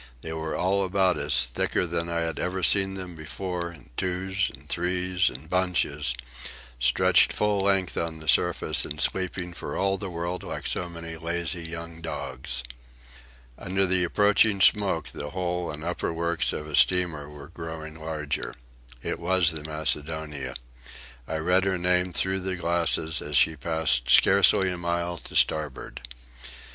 They were all about us, thicker than I had ever seen them before, in twos and threes and bunches, stretched full length on the surface and sleeping for all the world like so many lazy young dogs. Under the approaching smoke the hull and upper works of a steamer were growing larger. It was the Macedonia. I read her name through the glasses as she passed by scarcely a mile to starboard.